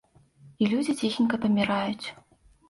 І людзі ціхенька паміраюць.